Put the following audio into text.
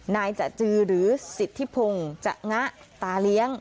นายจะจือหรือสิทธิพงศ์จะงะตาเลี้ยง